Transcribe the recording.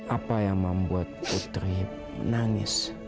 apa yang membuat putri menangis